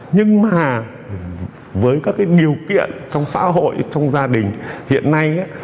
nhưng mà với các cái điều kiện trong xã hội trong gia đình hiện nay